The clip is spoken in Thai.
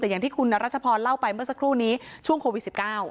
แต่อย่างที่คุณรัชพรเล่าไปเมื่อสักครู่นี้ช่วงโควิด๑๙